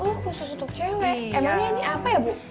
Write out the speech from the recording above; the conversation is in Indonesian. oh khusus untuk cewek emangnya ini apa ya bu